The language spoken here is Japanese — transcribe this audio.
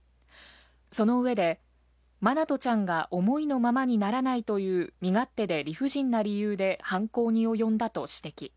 その上で、愛翔ちゃんが思いのままにならないという身勝手で理不尽な理由で犯行に及んだと指摘。